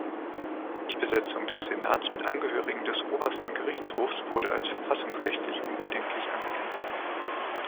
Die Besetzung des Senats mit Angehörigen des Obersten Gerichtshofs wurde als verfassungsrechtlich unbedenklich angesehen.